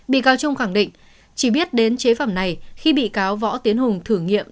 bị cáo trung khẳng định chỉ biết đến chế phẩm này khi bị cáo võ tiến hùng thử nghiệm